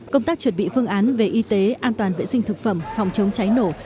công tác chuẩn bị phương án về y tế an toàn vệ sinh thực phẩm phòng chống cháy nổ